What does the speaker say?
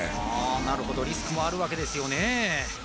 なるほどリスクもあるわけですよねえ